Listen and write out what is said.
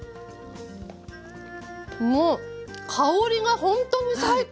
もう香りがほんとに最高！